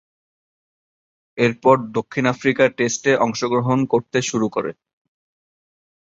এরপর দক্ষিণ আফ্রিকা টেস্টে অংশগ্রহণ করতে শুরু করে।